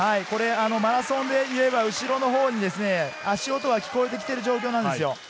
マラソンでいえば、後ろのほうに足音が聞こえてきている状況です。